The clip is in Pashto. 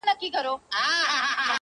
زما دي دلته په ځنگلونو کي غړومبی وي!!